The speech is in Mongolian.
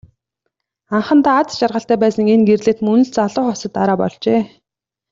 Анхандаа аз жаргалтай байсан энэ гэрлэлт мөн л залуу хосод дараа болжээ.